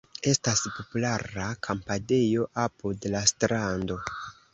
Estas populara kampadejo apud la strando.